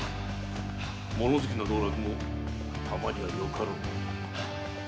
もの好きの道楽もたまにはよかろう？